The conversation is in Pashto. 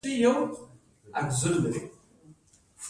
د زابل غنم د کاریز په اوبو کیږي.